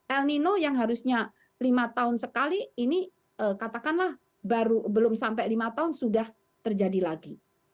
el nino yang harusnya lima tahun sekali ini katakanlah baru belum sampai lima tahun sudah terjadi lagi